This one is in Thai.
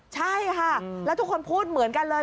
ใช่ค่ะแล้วทุกคนพูดเหมือนกันเลย